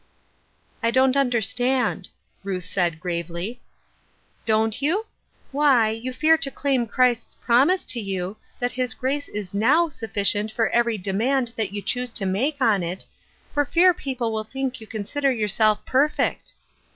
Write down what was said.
" I don't understand," Ruth said, gravely. " Don't you ? Why, you fear to claim Christ's Looking for an Easy Yoke, 211 promise to you — that his grace is now sufficient for every demand that you choosa to make on it — for fear people will think you consider your self perfect.